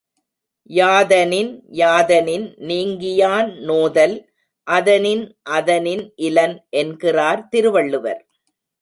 யாதனின் யாதனின் நீங்கியான் நோதல் அதனின் அதனின் இலன் என்கிறார் திருவள்ளுவர்.